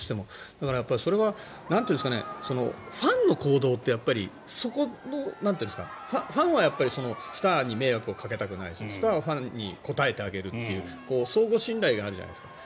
だから、それはファンの行動ってファンはスターに迷惑をかけたくないしスターはファンに応えてあげるという相互信頼があるじゃないですか。